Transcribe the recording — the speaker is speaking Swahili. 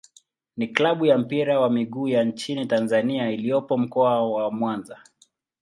ni klabu ya mpira wa miguu ya nchini Tanzania iliyopo Mkoa wa Mwanza.